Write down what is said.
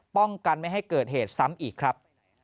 ป้องกันไม่ให้เกิดเหตุซ้ำอีกครับ